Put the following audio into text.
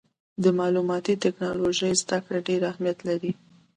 د معلوماتي ټکنالوجۍ زدهکړه ډېر اهمیت لري.